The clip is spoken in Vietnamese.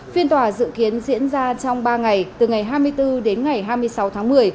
phiên tòa dự kiến diễn ra trong ba ngày từ ngày hai mươi bốn đến ngày hai mươi sáu tháng một mươi